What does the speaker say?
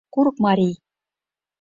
Курыкмарий.